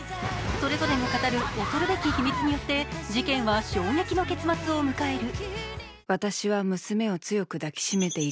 それぞれが語る恐るべき秘密によって事件は衝撃の結末を迎える。